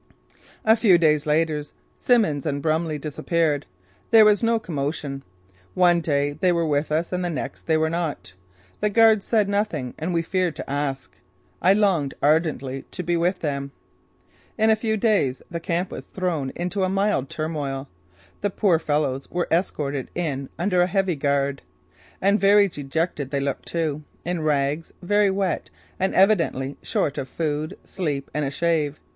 A few days later Simmons and Brumley disappeared. There was no commotion. One day they were with us and the next they were not. The guards said nothing and we feared to ask. I longed ardently to be with them. In a few days the camp was thrown into a mild turmoil. The poor fellows were escorted in under a heavy guard. And very dejected they looked too in rags, very wet and evidently short of food, sleep and a shave.